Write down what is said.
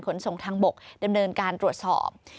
ขนส่งทางบกดำเนินการตรวจสอบ